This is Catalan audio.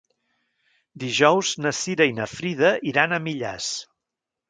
Dijous na Cira i na Frida iran a Millars.